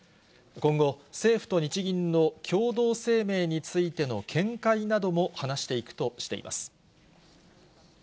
今後、政府と日銀の共同声明についての見解なども話していくとしています。